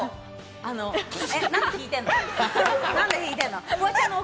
何で引いてんの？